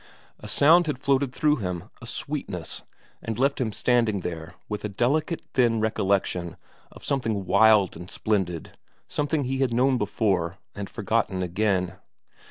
A sound had floated through him, a sweetness, and left him standing there with a delicate; thin recollection of something wild and splendid, something he had known before, and forgotten again.